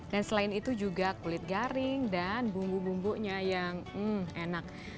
dan selain itu juga kulit garing dan bumbu bumbunya yang enak